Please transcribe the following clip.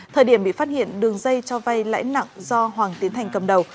thời điểm bị phát hiện đường dây cho vay lãi nặng do hoàng tiến thành cầm đầu